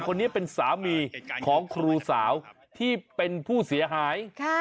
คนนี้เป็นสามีของครูสาวที่เป็นผู้เสียหาย